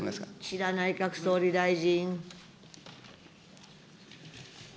岸田内閣総理大臣。